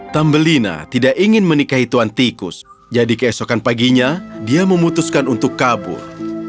tambelina tidak ingin menikahi tuan tikus jadi keesokan paginya dia memutuskan untuk kabur